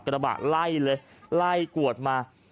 กระบะไล่กวดมา